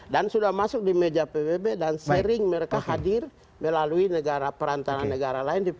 dan sudah masuk di meja pbb dan sering mereka hadir melalui perantara negara lain